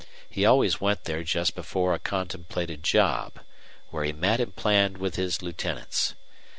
He always went there just before a contemplated job, where he met and planned with his lieutenants.